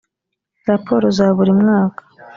raporo za buri mwaka